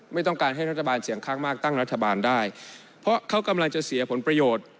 ไม่ต้องการให้รัฐบาลเสียงข้างมากตั้งรัฐบาลได้เพราะเขากำลังจะเสียผลประโยชน์